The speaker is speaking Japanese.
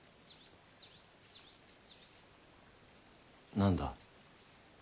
何だ？